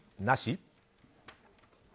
なし？